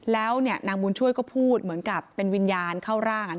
แล้วนางบุญช่วยก็พูดเหมือนกับเป็นวิญญาณเข้าร่าง